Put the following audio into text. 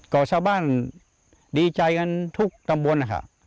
ก็ชาวบ้านดีใจกันทุกตำบลนะคะ